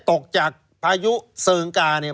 ตกจากพายุเซิงกาเนี่ย